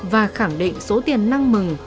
và khẳng định số tiền năng mừng